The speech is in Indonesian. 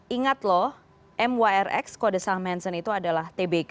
ingat loh myrx kode saham hansen itu adalah tbk